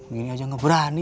gini aja gak berani